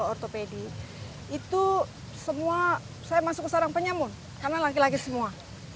ortopedi itu semua saya masuk ke sarang penyamun karena laki laki semua